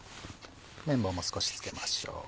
麺棒も少し付けましょう。